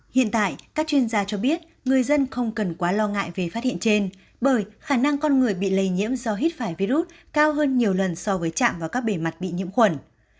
hiện tại các chuyên gia cho biết người dân không cần quá lo ngại về phát hiện trên bởi khả năng con người bị lây nhiễm do hít phải virus cao hơn nhiều lần so với chạm vào các bề mặt bị nhiễm khuẩn